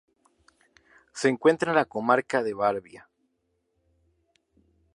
Se encuentra en la comarca de Babia.